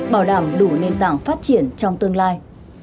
bảo đảm đủ nền tảng phát triển trong tương lai